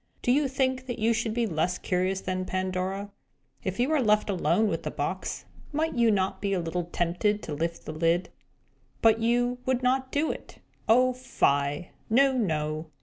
Do you think that you should be less curious than Pandora? If you were left alone with the box, might you not feel a little tempted to lift the lid? But you would not do it. Oh, fie! No, no!